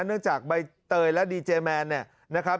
เนื่องจากใบเตยและดีเจแมนเนี่ยนะครับ